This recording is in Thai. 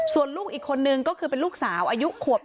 ส่วนลูกอีกคนนึงก็คือเป็นลูกสาวอายุขวบ